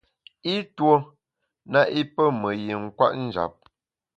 I tuo na i pe me yin kwet njap.